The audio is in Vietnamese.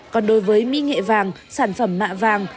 còn đối với mỹ nghệ vàng sản phẩm mạ vàng